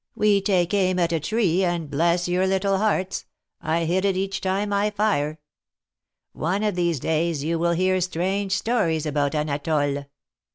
We take aim at a tree, and, bless your little hearts! I hit it each time I fire. One of these days you will hear strange stories about Anatole."